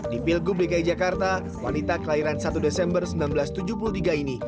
di pilgub dki jakarta wanita kelahiran satu desember seribu sembilan ratus tujuh puluh tiga ini